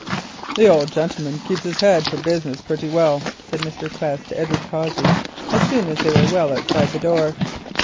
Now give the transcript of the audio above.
"The old gentleman keeps his head for business pretty well," said Mr. Quest to Edward Cossey as soon as they were well outside the door.